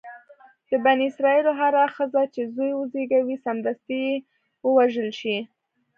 د بني اسرایلو هره ښځه چې زوی وزېږوي سمدستي دې ووژل شي.